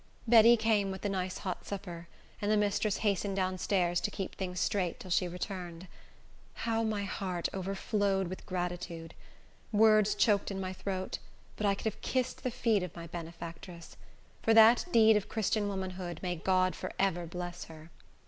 Betty came with the "nice hot supper," and the mistress hastened down stairs to keep things straight till she returned. How my heart overflowed with gratitude! Words choked in my throat; but I could have kissed the feet of my benefactress. For that deed of Christian womanhood, may God forever bless her!